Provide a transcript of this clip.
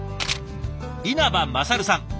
稲葉勝さん。